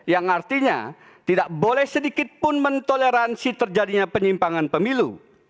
yang artinya tidak boleh sedikitpun mentoleransi terjadinya penyimpangan pemilu